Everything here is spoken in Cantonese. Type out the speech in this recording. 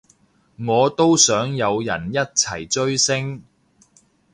我都想有人一齊追星